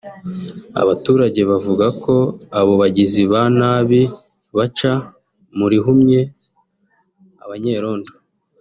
Abaturage bavuga ko abo bagizi ba nabi baca mu rihumye abanyerondo